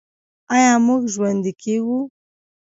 آیا موږ ژوندي کیږو؟